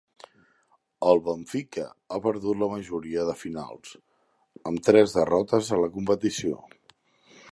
El Benfica ha perdut la majoria de finals, amb tres derrotes a la competició.